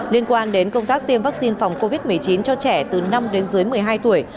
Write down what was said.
liên quan đến công tác tiêm vaccine phòng covid một mươi chín cho trẻ từ năm đến dưới một mươi hai tuổi